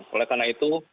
oleh karena itu